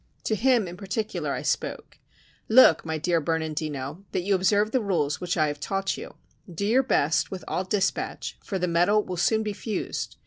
To him in particular I spoke: "Look, my dear Bernandino, that you observe the rules which I have taught you; do your best with all dispatch, for the metal will soon be fused.